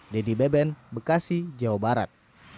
dedy beben bekasi jawa barat